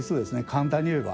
簡単に言えば。